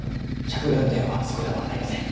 着眼点はそこではありません。